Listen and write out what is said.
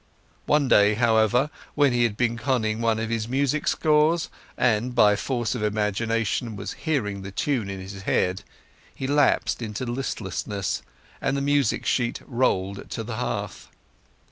One day, however, when he had been conning one of his music scores, and by force of imagination was hearing the tune in his head, he lapsed into listlessness, and the music sheet rolled to the hearth.